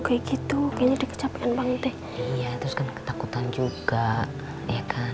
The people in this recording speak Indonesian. kayak gitu kayaknya di kecapekan banget deh iya terus kan ketakutan juga ya kan